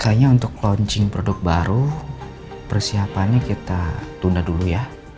makanya untuk launching produk baru persiapannya kita tunda dulu ya